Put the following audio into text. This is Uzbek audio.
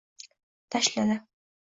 Tashladi.